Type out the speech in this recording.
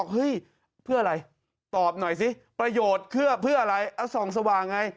เฮ้ยเพื่ออะไรตอบหน่อยสิประโยชน์เพื่ออะไรเอาส่องสว่างไง